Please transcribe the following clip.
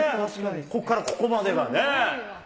ここからここまでがね。